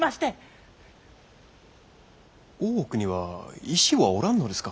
大奥には医師はおらんのですか？